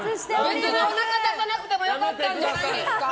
別におなか出さなくてもよかったんじゃないですか？